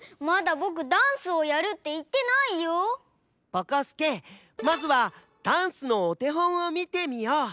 ぼこすけまずはダンスのおてほんをみてみよう。